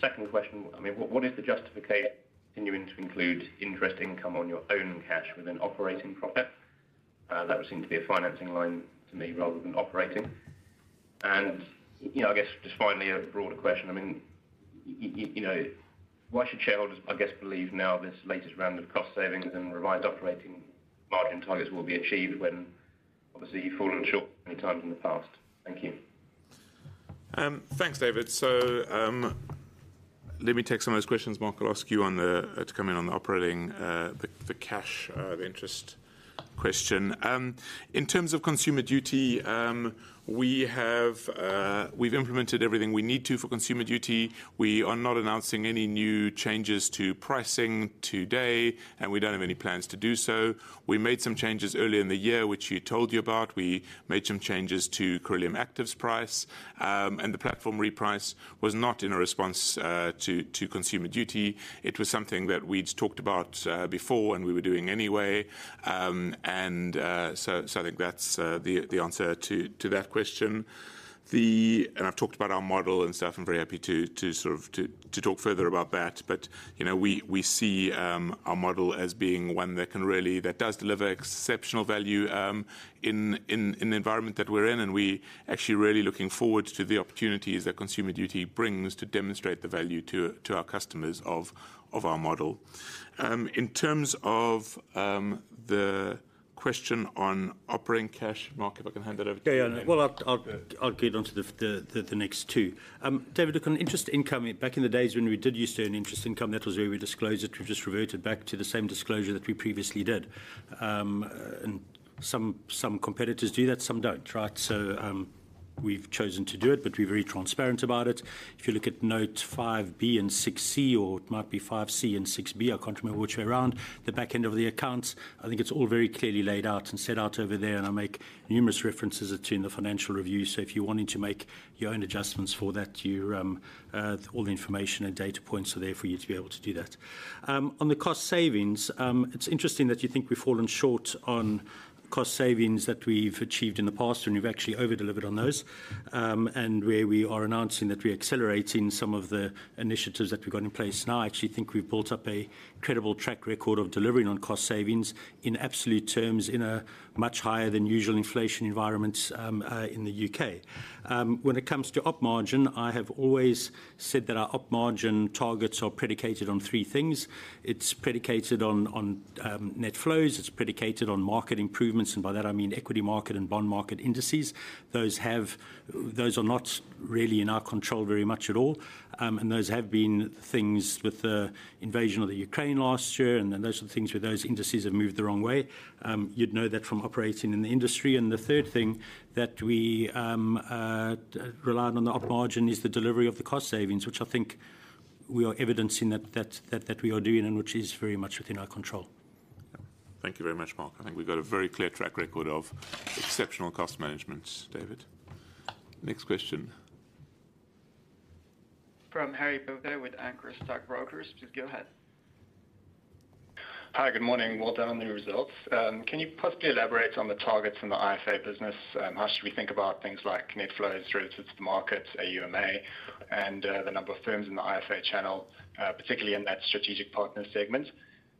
Second question, I mean, what, what is the justification continuing to include interest income on your own cash with an operating profit? That would seem to be a financing line to me rather than operating. You know, I guess just finally, a broader question. I mean, you know, why should shareholders, I guess, believe now this latest round of cost savings and revised operating margin targets will be achieved when obviously you've fallen short many times in the past? Thank you. Thanks, David. Let me take some of those questions. Mark, I'll ask you on the to come in on the operating, the cash, the interest question. In terms of Consumer Duty, we have, we've implemented everything we need to for Consumer Duty. We are not announcing any new changes to pricing today, and we don't have any plans to do so. We made some changes earlier in the year, which we told you about. We made some changes to Cirilium Active price, and the platform reprice was not in a response to Consumer Duty. It was something that we'd talked about before, and we were doing anyway. I think that's the answer to that question. The... I've talked about our model and stuff, I'm very happy to sort of, to talk further about that. You know, we see our model as being one that can really, that does deliver exceptional value in the environment that we're in. We actually really looking forward to the opportunities that Consumer Duty brings to demonstrate the value to our customers of our model. In terms of the question on operating cash, Mark, if I can hand that over to you. Yeah, well, I'll, I'll, I'll get onto the next 2. David, look, on interest income, back in the days when we did used to earn interest income, that was where we disclosed it. We've just reverted back to the same disclosure that we previously did. Some, some competitors do that, some don't, right? We've chosen to do it, but we're very transparent about it. If you look at note 5 B and 6 C, or it might be 5 C and 6 B, I can't remember which way around, the back end of the accounts, I think it's all very clearly laid out and set out over there, and I make numerous references to it in the financial review. If you're wanting to make your own adjustments for that, you, all the information and data points are there for you to be able to do that. On the cost savings, it's interesting that you think we've fallen short on cost savings that we've achieved in the past, and we've actually over-delivered on those. Where we are announcing that we're accelerating some of the initiatives that we've got in place now, I actually think we've built up a credible track record of delivering on cost savings in absolute terms, in a much higher than usual inflation environment, in the UK. When it comes to op margin, I have always said that our op margin targets are predicated on 3 things. It's predicated on, on net flows, it's predicated on market improvements, and by that I mean equity market and bond market indices. Those are not really in our control very much at all. Those have been things with the invasion of the Ukraine last year, and then those are the things where those indices have moved the wrong way. You'd know that from operating in the industry. The third thing that we relied on the op margin is the delivery of the cost savings, which I think we are evidencing that, that, that we are doing and which is very much within our control. Thank you very much, Mark. I think we've got a very clear track record of exceptional cost management. David, next question. From Harry Sheridan with Anchor Stockbrokers. Please go ahead. Hi, good morning. Well done on the results. Can you possibly elaborate on the targets in the IFA business? How should we think about things like net flows relative to the market, AUMA, and the number of firms in the IFA channel, particularly in that strategic partner segment?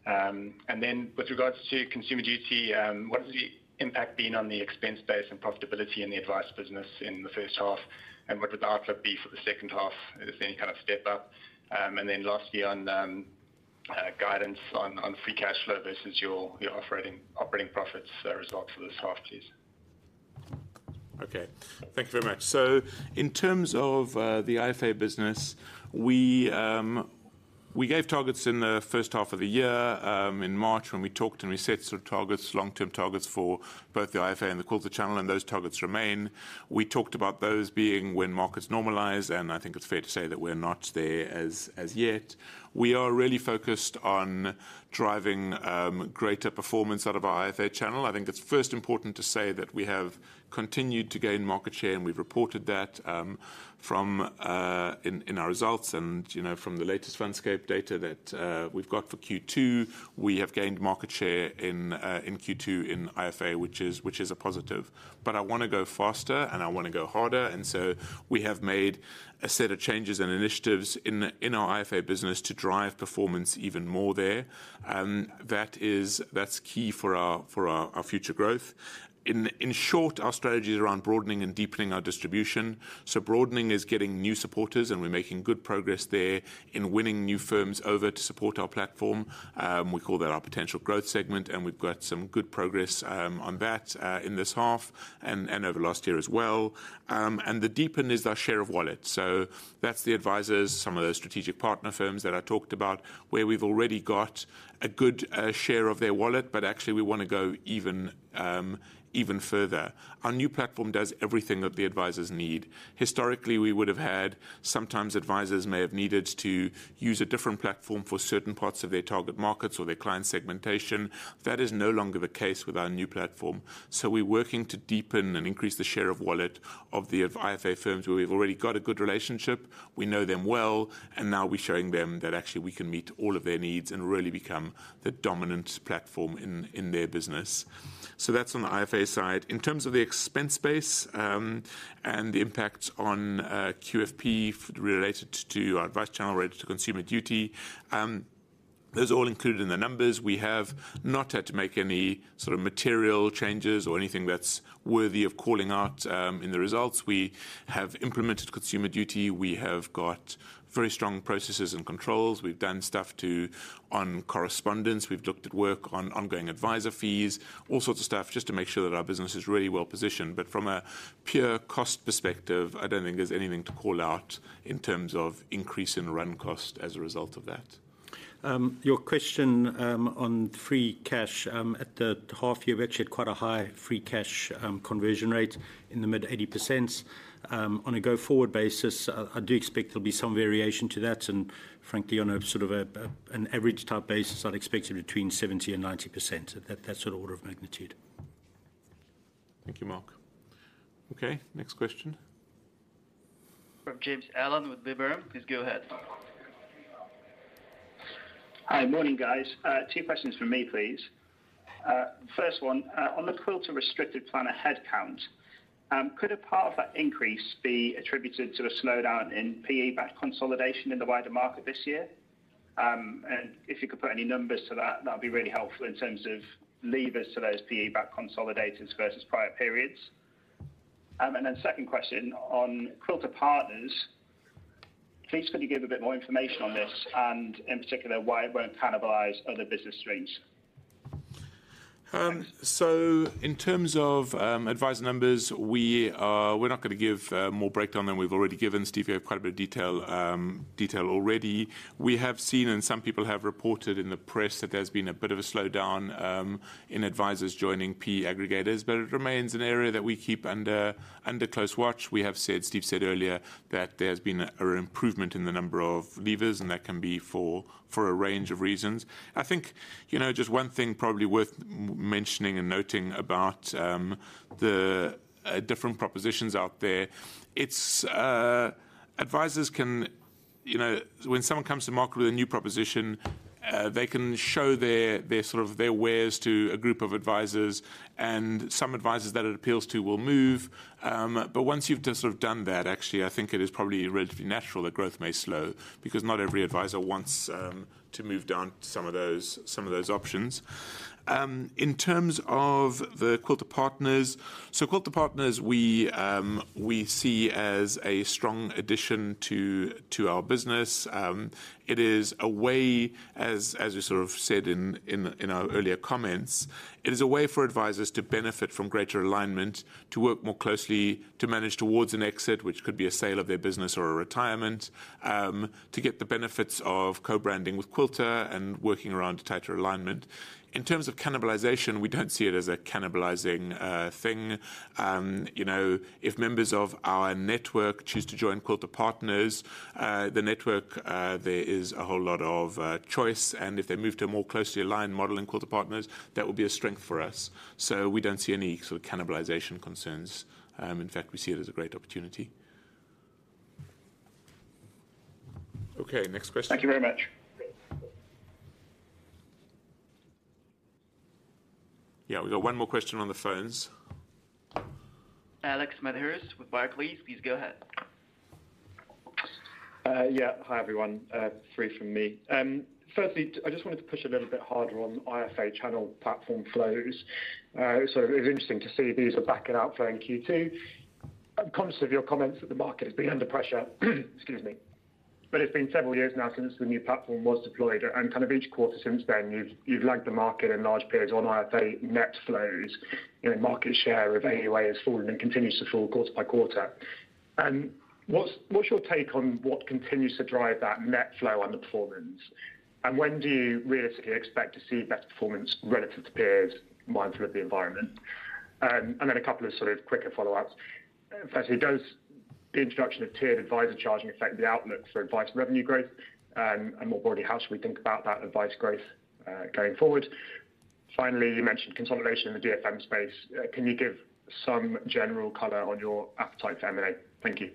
With regards to Consumer Duty, what has the impact been on the expense base and profitability in the advice business in the first half, and what would the outlook be for the second half, if any kind of step up? Lastly, on guidance on free cash flow versus your, your operating, operating profits, results for this half, please. Okay, thank you very much. In terms of the IFA business, we gave targets in the first half of the year in March, when we talked. We set sort of targets, long-term targets for both the IFA and the Quilter channel. Those targets remain. We talked about those being when markets normalize. I think it's fair to say that we're not there as yet. We are really focused on driving greater performance out of our IFA channel. I think it's first important to say that we have continued to gain market share. We've reported that from in our results and, you know, from the latest Fundscape data that we've got for Q2, we have gained market share in Q2, in IFA, which is a positive. I wanna go faster and I wanna go harder, and so we have made a set of changes and initiatives in, in our IFA business to drive performance even more there. That is, that's key for our, for our, our future growth. In, in short, our strategy is around broadening and deepening our distribution. Broadening is getting new supporters, and we're making good progress there in winning new firms over to support our platform. We call that our potential growth segment, and we've got some good progress on that, in this half and, and over last year as well. The deepen is our share of wallet. That's the advisors, some of those strategic partner firms that I talked about, where we've already got a good, share of their wallet, but actually we wanna go even, even further. Our new platform does everything that the advisors need. Historically, we would have sometimes advisors may have needed to use a different platform for certain parts of their target markets or their client segmentation. That is no longer the case with our new platform. We're working to deepen and increase the share of wallet of the IFA firms, where we've already got a good relationship, we know them well, and now we're showing them that actually we can meet all of their needs and really become the dominant platform in, in their business. That's on the IFA side. In terms of the expense base, and the impact on QFP related to our advice channel related to Consumer Duty, those are all included in the numbers. We have not had to make any sort of material changes or anything that's worthy of calling out in the results. We have implemented Consumer Duty. We have got very strong processes and controls. We've done stuff to correspondence. We've looked at work on ongoing advisor fees, all sorts of stuff, just to make sure that our business is really well positioned. From a pure cost perspective, I don't think there's anything to call out in terms of increase in run cost as a result of that. Your question on free cash at the half year, we've actually had quite a high free cash conversion rate in the mid-80%. On a go-forward basis, I do expect there'll be some variation to that, and frankly, on a sort of a, an average type basis, I'd expect it between 70% and 90%. At that, that sort of order of magnitude. Thank you, Mark. Okay, next question. From James Allen with Liberum. Please go ahead. Hi. Morning, guys. Two questions from me, please. First one, on the Quilter restricted planner headcount, could a part of that increase be attributed to a slowdown in PE-backed consolidation in the wider market this year? If you could put any numbers to that, that'd be really helpful in terms of levers to those PE-backed consolidations versus prior periods. Then second question on Quilter Partners, please could you give a bit more information on this and in particular, why it won't cannibalize other business streams? In terms of advisor numbers, we are, we're not going to give more breakdown than we've already given. Steve, you have quite a bit of detail, detail already. We have seen, and some people have reported in the press, that there's been a bit of a slowdown in advisors joining PE aggregators, but it remains an area that we keep under, under close watch. We have said, Steve said earlier, that there's been a, a improvement in the number of leavers, and that can be for, for a range of reasons. I think, you know, just one thing probably worth mentioning and noting about the different propositions out there, advisors can, you know, when someone comes to market with a new proposition, they can show their, their, sort of, their wares to a group of advisors, and some advisors that it appeals to will move. But once you've just sort of done that, actually, I think it is probably relatively natural that growth may slow, because not every advisor wants to move down some of those, some of those options. In terms of the Quilter Partners, so Quilter Partners, we see as a strong addition to, to our business. It is a way as, as we sort of said in, in, in our earlier comments, it is a way for advisers to benefit from greater alignment, to work more closely, to manage towards an exit, which could be a sale of their business or a retirement, to get the benefits of co-branding with Quilter and working around tighter alignment. In terms of cannibalization, we don't see it as a cannibalizing thing. You know, if members of our network choose to join Quilter Partners, the network, there is a whole lot of choice, and if they move to a more closely aligned model in Quilter Partners, that will be a strength for us. So we don't see any sort of cannibalization concerns. In fact, we see it as a great opportunity. Okay, next question. Thank you very much. Yeah, we've got one more question on the phones. Alex Smith-Hetherington with Barclays. Please go ahead. Yeah. Hi, everyone. 3 from me. Firstly, I just wanted to push a little bit harder on IFA channel platform flows. It was interesting to see these are backing outflow in Q2. I'm conscious of your comments that the market has been under pressure, excuse me. It's been several years now since the new platform was deployed, kind of each quarter since then, you've, you've lagged the market in large periods on IFA net flows. You know, market share of AUA has fallen and continues to fall quarter by quarter. What's, what's your take on what continues to drive that net flow on the performance? When do you realistically expect to see better performance relative to peers, mindful of the environment? Then a couple of sort of quicker follow-ups. Firstly, does the introduction of tiered advisor charging affect the outlook for advice revenue growth? More broadly, how should we think about that advice growth going forward? Finally, you mentioned consolidation in the DFM space. Can you give some general color on your appetite to M&A? Thank you.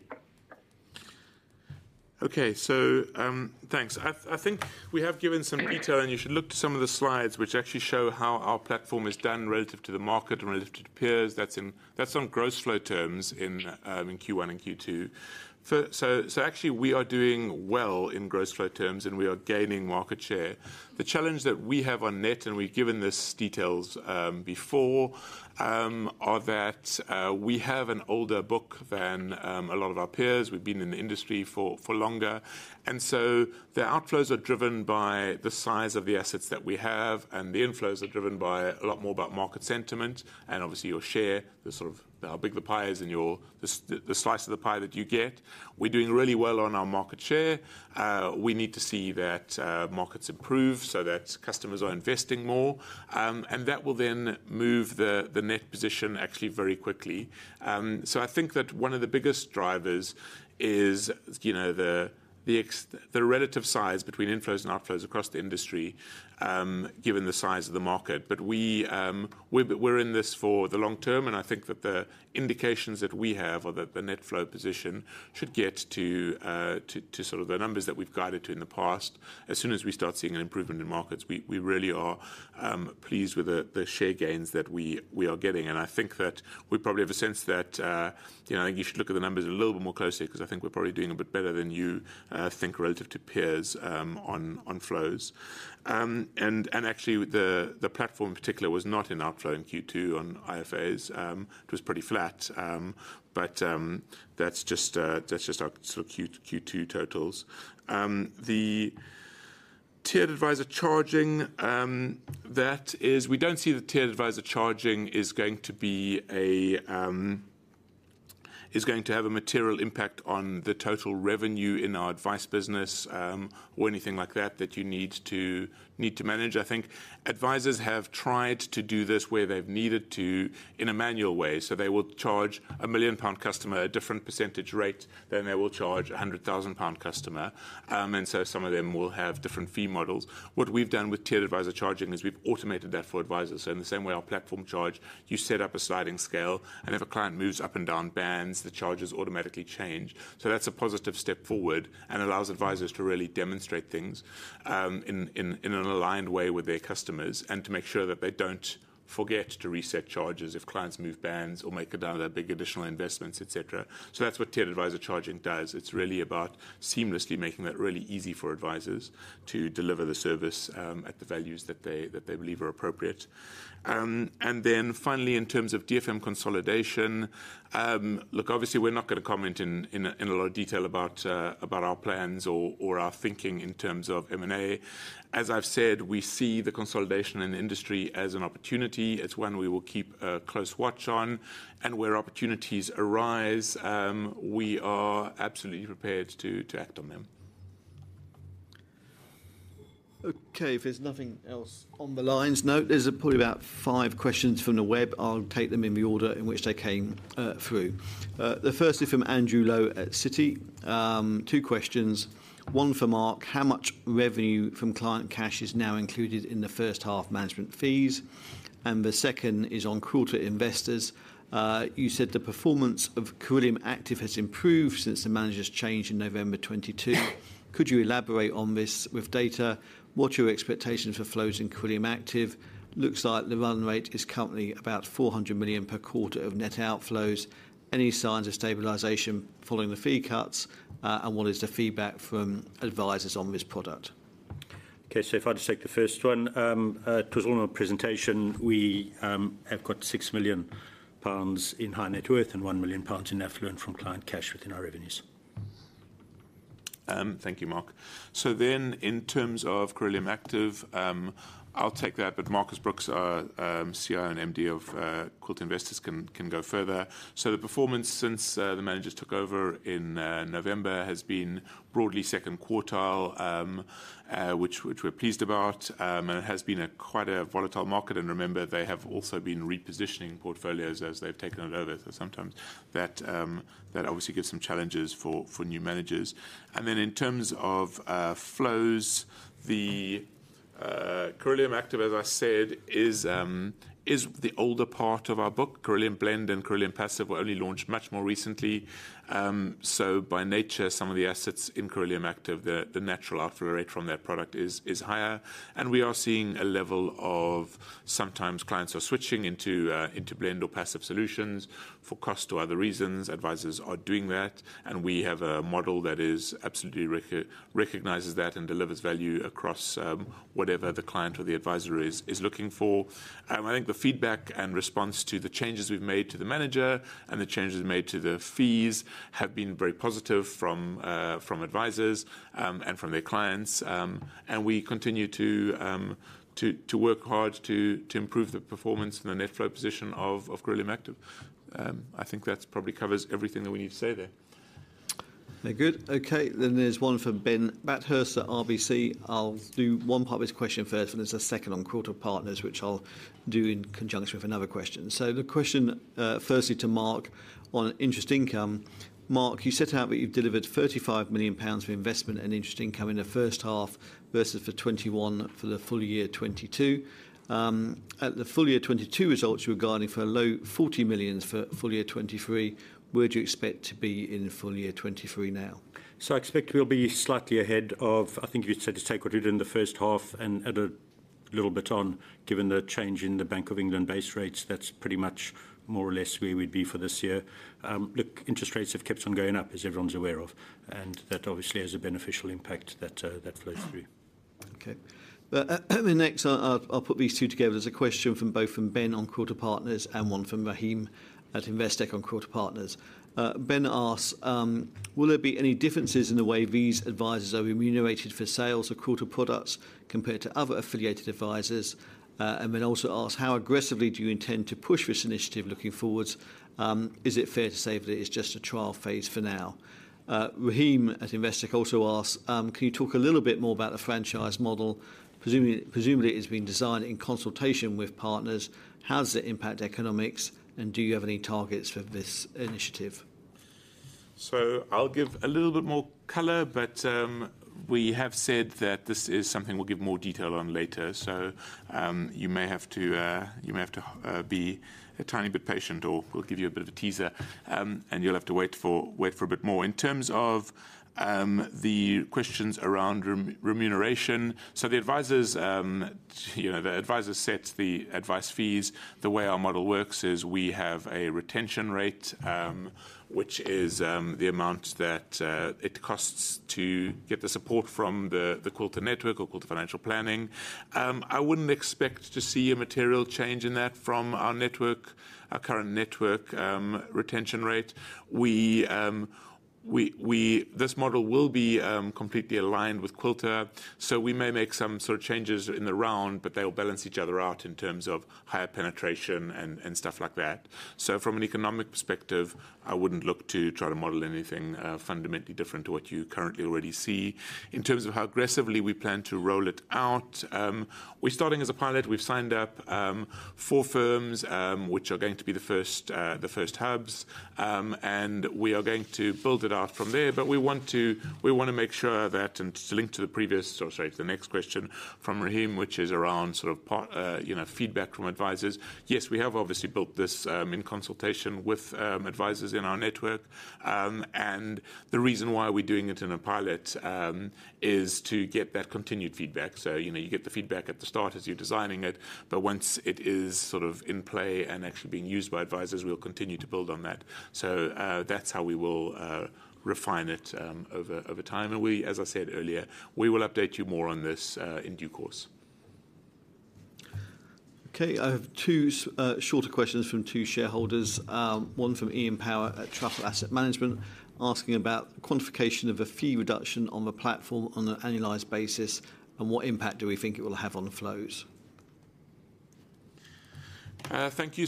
Okay, thanks. I think we have given some detail, and you should look to some of the slides which actually show how our platform has done relative to the market and relative to peers. That's in, that's on gross flow terms in Q1 and Q2. Actually we are doing well in gross flow terms, and we are gaining market share. The challenge that we have on net, and we've given this details before, are that we have an older book than a lot of our peers. We've been in the industry for longer. The outflows are driven by the size of the assets that we have, and the inflows are driven by a lot more about market sentiment and obviously your share, the sort of how big the pie is and your, the slice of the pie that you get. We need to see that markets improve so that customers are investing more, and that will then move the net position actually very quickly. I think that one of the biggest drivers is, you know, the relative size between inflows and outflows across the industry, given the size of the market. We, we're, we're in this for the long term, and I think that the indications that we have or that the net flow position should get to, to, to sort of the numbers that we've guided to in the past. As soon as we start seeing an improvement in markets, we, we really are pleased with the, the share gains that we, we are getting. I think that we probably have a sense that, you know, you should look at the numbers a little bit more closely because I think we're probably doing a bit better than you think relative to peers, on, on flows. And actually, the, the platform in particular was not in outflow in Q2 on IFAs. It was pretty flat. That's just, that's just our sort of Q2, Q2 totals. The tiered advisor charging, we don't see the tiered advisor charging is going to be is going to have a material impact on the total revenue in our advice business, or anything like that, that you need to, need to manage. I think advisors have tried to do this where they've needed to in a manual way. They will charge a 1 million pound customer a different % rate than they will charge a 100,000 pound customer. Some of them will have different fee models. What we've done with tiered advisor charging is we've automated that for advisors. In the same way our platform charge, you set up a sliding scale, and if a client moves up and down bands, the charges automatically change. That's a positive step forward and allows advisors to really demonstrate things in, in, in an aligned way with their customers and to make sure that they don't forget to reset charges if clients move bands or make a big additional investments, et cetera. That's what tiered advisor charging does. It's really about seamlessly making that really easy for advisors to deliver the service at the values that they, that they believe are appropriate. And then finally, in terms of DFM consolidation, look, obviously, we're not going to comment in, in a, in a lot of detail about about our plans or, or our thinking in terms of M&A. As I've said, we see the consolidation in the industry as an opportunity. It's one we will keep a close watch on, and where opportunities arise, we are absolutely prepared to, to act on them. Okay, if there's nothing else on the lines? No, there's probably about five questions from the web. I'll take them in the order in which they came through. The first is from Andrew Crean at Citi. Two questions. One for Mark: How much revenue from client cash is now included in the first half management fees? The second is on Quilter Investors. You said the performance of Cirilium Active has improved since the managers changed in November 2022. Could you elaborate on this with data? What's your expectations for flows in Cirilium Active? Looks like the run rate is currently about 400 million per quarter of net outflows. Any signs of stabilization following the fee cuts, and what is the feedback from advisers on this product? If I just take the first one. It was on our presentation, we have got 6 million pounds in High Net Worth and 1 million pounds in Affluent from client cash within our revenues. Thank you, Mark. In terms of Cirilium Active, I'll take that, but Marcus Brookes, our CIO and MD of Quilter Investors, can go further. The performance since the managers took over in November has been broadly second quartile, which we're pleased about. It has been a quite a volatile market, and remember, they have also been repositioning portfolios as they've taken it over. Sometimes that obviously gives some challenges for new managers. In terms of flows, the Cirilium Active, as I said, is the older part of our book. Cirilium Blend and Cirilium Passive were only launched much more recently. By nature, some of the assets in Cirilium Active, the natural outflow rate from that product is higher. We are seeing a level of sometimes clients are switching into blend or passive solutions for cost or other reasons. Advisors are doing that, and we have a model that is absolutely recognises that and delivers value across whatever the client or the advisor is looking for. I think the feedback and response to the changes we've made to the manager and the changes made to the fees have been very positive from advisors and from their clients. We continue to work hard to improve the performance and the net flow position of Cirilium Active. I think that's probably covers everything that we need to say there. Good. Okay, there's one from Ben Bathurst at RBC. I'll do one part of this question first, and there's a second on Quilter Partners, which I'll do in conjunction with another question. The question, firstly to Mark on interest income. Mark, you set out that you've delivered 35 million pounds of investment and interest income in the first half versus the 21 for the full year 2022. At the full year 2022 results, you were guiding for a low 40 million for full year 2023. Where do you expect to be in full year 2023 now? I expect we'll be slightly ahead of... I think you said to take what we did in the first half and add a little bit on, given the change in the Bank of England base rates, that's pretty much more or less where we'd be for this year. Look, interest rates have kept on going up, as everyone's aware of, and that obviously has a beneficial impact that that flows through. Okay. Next, I'll, I'll, I'll put these two together. There's a question from both from Ben on Quilter Partners and one from Raheem at Investec on Quilter Partners. Ben asks: Will there be any differences in the way these advisors are remunerated for sales of Quilter products compared to other affiliated advisors? Ben also asks: How aggressively do you intend to push this initiative looking forwards? Is it fair to say that it's just a trial phase for now? Raheem at Investec also asks: Can you talk a little bit more about the franchise model? Presumably, presumably, it's been designed in consultation with partners. How does it impact economics, and do you have any targets for this initiative? I'll give a little bit more color, but we have said that this is something we'll give more detail on later. You may have to, you may have to, be a tiny bit patient, or we'll give you a bit of a teaser, and you'll have to wait for, wait for a bit more. In terms of the questions around rem- remuneration, so the advisors, you know, the advisors set the advice fees. The way our model works is we have a retention rate, which is, the amount that it costs to get the support from the, the Quilter network or Quilter Financial Planning. I wouldn't expect to see a material change in that from our network, our current network, retention rate. We, this model will be completely aligned with Quilter, so we may make some sort of changes in the round, but they will balance each other out in terms of higher penetration and, and stuff like that. From an economic perspective, I wouldn't look to try to model anything fundamentally different to what you currently already see. In terms of how aggressively we plan to roll it out, we're starting as a pilot. We've signed up four firms, which are going to be the first, the first hubs, and we are going to build it out from there. We want to, we want to make sure that, and to link to the previous or, sorry, the next question from Raheem, which is around sort of part, you know, feedback from advisors. Yes, we have obviously built this in consultation with advisors in our network. The reason why we're doing it in a pilot is to get that continued feedback. You know, you get the feedback at the start as you're designing it, but once it is sort of in play and actually being used by advisors, we'll continue to build on that. That's how we will refine it over, over time. We, as I said earlier, we will update you more on this in due course. Okay, I have two shorter questions from two shareholders. One from Iain Power at Truffle Asset Management, asking about quantification of a fee reduction on the platform on an annualized basis, and what impact do we think it will have on the flows? Thank you.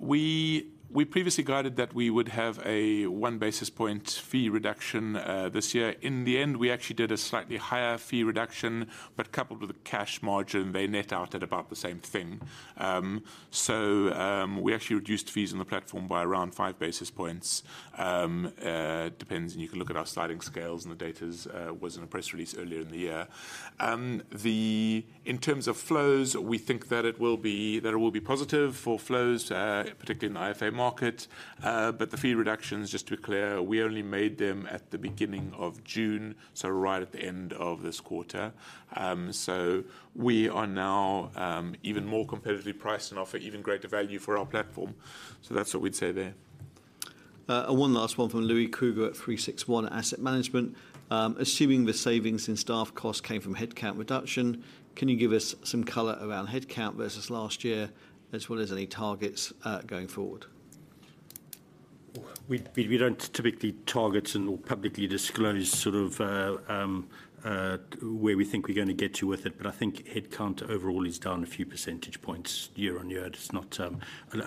We, we previously guided that we would have a 1 basis point fee reduction, this year. In the end, we actually did a slightly higher fee reduction, but coupled with the cash margin, they net out at about the same thing. We actually reduced fees on the platform by around 5 basis points. Depends, and you can look at our sliding scales, and the data's, was in a press release earlier in the year. The... In terms of flows, we think that it will be, that it will be positive for flows, particularly in the IFA market. The fee reductions, just to be clear, we only made them at the beginning of June, so right at the end of this quarter. We are now even more competitively priced and offer even greater value for our platform. That's what we'd say there. One last one from Louis Kruger at 36ONE Asset Management. Assuming the savings in staff costs came from headcount reduction, can you give us some color around headcount versus last year, as well as any targets, going forward? We, we, we don't typically target and/or publicly disclose sort of, where we think we're going to get to with it, I think headcount overall is down a few percentage points year-on-year. It's not a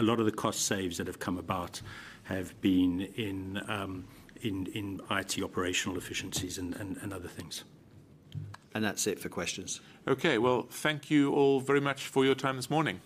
lot of the cost saves that have come about have been in, in, in IT operational efficiencies and, and, and other things. That's it for questions. Okay, well, thank you all very much for your time this morning.